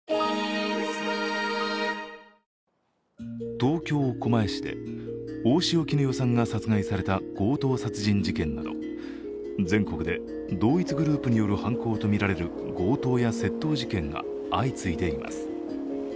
東京・狛江市で大塩衣与さんが殺害された強盗殺人事件など全国で同一グループによる犯行とみられる強盗や窃盗事件が相次いでいます。